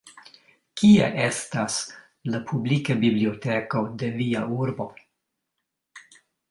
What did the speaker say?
Kie estas la publika biblioteko de via urbo?